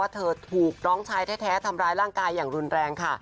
เธอถูกน้องชายแท้ทำร้ายร่างกายอย่างรุนแรงค่ะ